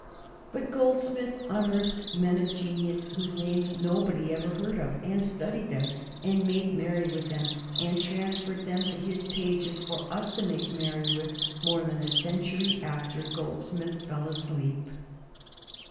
But Goldsmith unearthed men of genius whose names nobody ever heard of, and studied them and made merry with them, and transferred them to his pages for us to make merry with more than a century after Goldsmith fell asleep.